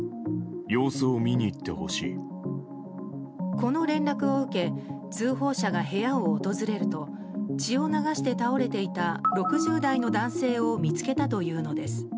この連絡を受け通報者が部屋を訪れると血を流して倒れていた６０代の男性を見つけたというのです。